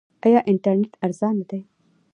آیا انټرنیټ ارزانه دی؟